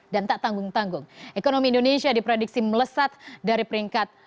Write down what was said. dan tak tanggung tanggung ekonomi indonesia diprediksi melesat dari peringkat